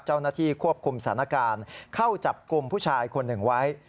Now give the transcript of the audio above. เจ้าหน้าที่ควบคุมสถานการณ์เข้าจับกลุ่มผู้ชายคนหนึ่งไว้